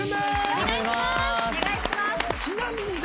お願いします。